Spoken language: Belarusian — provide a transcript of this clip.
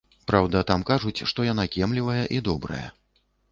Праўда, там кажуць, што яна кемлівая і добрая.